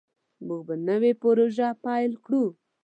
موږ به نوې پروژه پیل کړو.